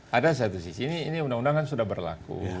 ada satu sisi ini undang undang kan sudah berlaku